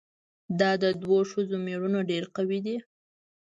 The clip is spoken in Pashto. دا د دوو ښځو ميړونه ډېر قوي دي؟